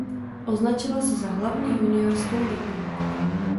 Označila se za "hlavní juniorskou" ligu.